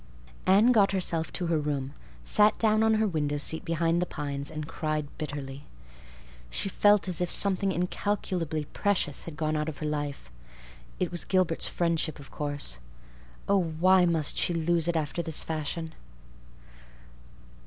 Anne got herself to her room, sat down on her window seat behind the pines, and cried bitterly. She felt as if something incalculably precious had gone out of her life. It was Gilbert's friendship, of course. Oh, why must she lose it after this fashion?